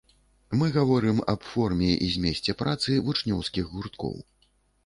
Мы гаворым аб форме і змесце працы вучнёўскіх гурткоў.